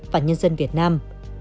và nhân dân việt nam